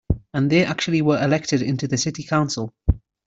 And they actually were elected into the city council.